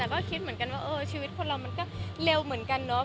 แต่ก็คิดเหมือนกันว่าชีวิตคนเรามันก็เร็วเหมือนกันเนาะ